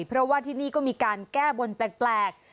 เพราะว่าที่นี่ก็มีการแก้บนแปลก